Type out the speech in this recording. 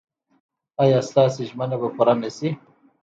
ایا ستاسو ژمنه به پوره نه شي؟